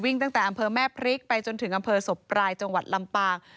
ตั้งแต่อำเภอแม่พริกไปจนถึงอำเภอศพปรายจังหวัดลำปาง